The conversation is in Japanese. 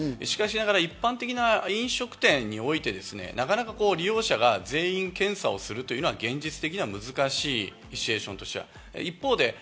しかしながら一般的な飲食店において、なかなか利用者が全員検査をするというのは現実的には難しい、シチュエーションとしては。